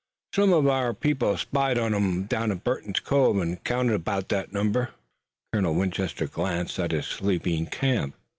"Some uv our people spied on 'em in Burton's Cove an' counted 'bout that number." Colonel Winchester glanced at his sleeping camp.